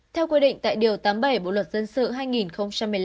theo quy định tại điều tám mươi bảy bộ luật dân sự hai nghìn một mươi năm